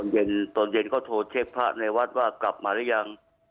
เย็นตอนเย็นก็โทรเช็คพระในวัดว่ากลับมาหรือยัง